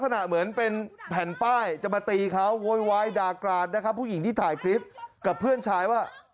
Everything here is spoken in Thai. ผู้หญิงเสื้อรายคือดูท่าทางเธอคล้ายสติไม่ดี